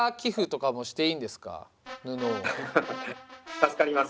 助かります。